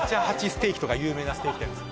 ステーキとか有名なステーキ店です